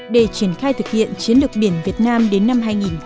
để triển khai thực hiện chiến lược biển việt nam đến năm hai nghìn ba mươi